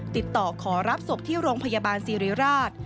ติดต่อขอรับศพที่โรงพยาบาลสิริราช